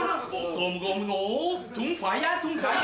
ゴムゴムのトゥンファイヤトゥンファイヤ。